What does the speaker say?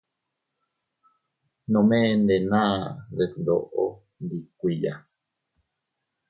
Nome ndenaa detndoʼo iyndikuiya.